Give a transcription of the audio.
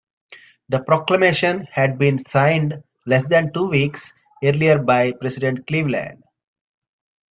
The proclamation had been signed less than two weeks earlier by President Cleveland.